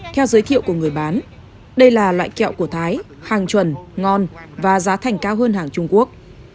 theo giới thiệu của người bán đây là loại kẹo của thái hàng chuẩn ngon và giá thành cao hơn hàng trung quốc